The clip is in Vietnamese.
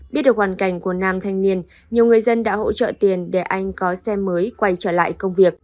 biết được hoàn cảnh của nam thanh niên nhiều người dân đã hỗ trợ tiền để anh có xe mới quay trở lại công việc